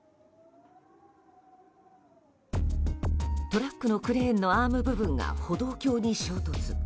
トラックのクレーンのアーム部分が歩道橋に衝突。